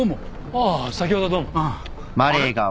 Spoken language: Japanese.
ああ先ほどはどうも。